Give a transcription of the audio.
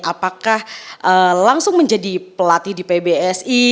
apakah langsung menjadi pelatih di pbsi